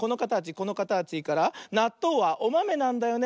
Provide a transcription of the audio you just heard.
このかたちからなっとうはおまめなんだよね。